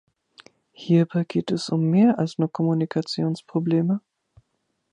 Hierbei geht es um mehr als nur Kommunikationsprobleme!